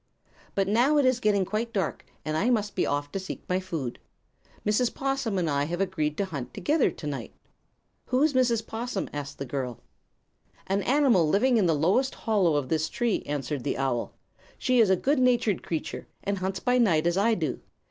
But now it is getting quite dark, and I must be off to seek my food. Mrs. 'Possum and I have agreed to hunt together, tonight." "Who is Mrs. 'Possum?" the girl asked. "An animal living in the lowest hollow of this tree," answered the owl. "She is a good natured creature, and hunts by night, as I do.